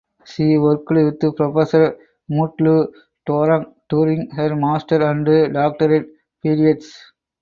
She worked with Professor Mutlu Torun during her master and doctorate periods.